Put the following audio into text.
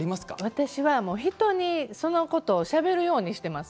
私は、人にそのことをしゃべるようにしています。